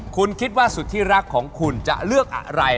คุณคิดว่าสุดที่รักของคุณจะเลือกอะไร